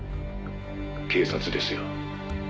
「警察ですよ」